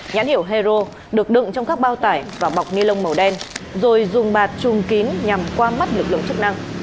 nhãn hiệu hero được đựng trong các bao tải và bọc nilon màu đen rồi dùng bạt chung kín nhằm qua mắt lực lượng chức năng